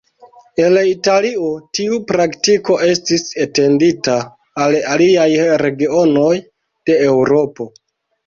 El Italio tiu praktiko estis etendita al aliaj regionoj de Eŭropo.